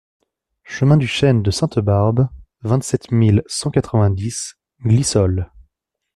Chemin du Chêne de Sainte-Barbe, vingt-sept mille cent quatre-vingt-dix Glisolles